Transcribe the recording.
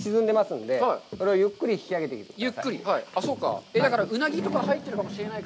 ここに沈んでますので、それをゆっくり引き上げてください。